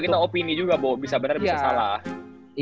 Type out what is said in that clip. kita opini juga bisa bener bisa salah